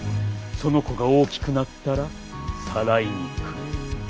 その子が大きくなったらさらいにくる」。